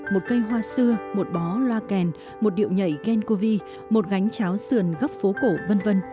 một cây hoa xưa một bó loa kèn một điệu nhảy gencovi một gánh cháo sườn góc phố cổ v v